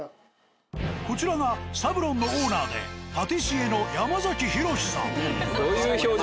こちらが「サブロン」のオーナーでパティシエのどういう表情？